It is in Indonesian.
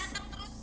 beneran pak uba